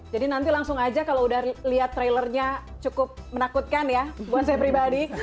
jadi nanti langsung aja kalau udah liat trailernya cukup menakutkan ya buat saya pribadi